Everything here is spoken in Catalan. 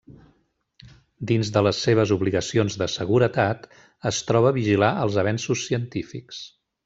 Dins de les seves obligacions de seguretat, es troba vigilar els avenços científics.